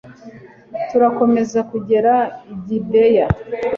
turakomeza kugera i gibeya